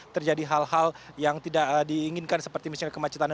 terjadi hal hal yang tidak diinginkan seperti misalnya kemacetan